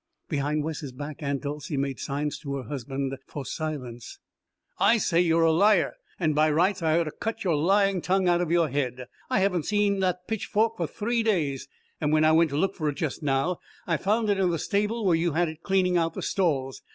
Behind Wes's back Aunt Dolcey made signs to her husband for silence. "I tell you you're a liar, and by rights I ought to cut your lying tongue out of your head! I haven't even seen that pitchfork for three days, and when I went to look for it just now I found it in the stable where you'd had it cleaning out the stalls.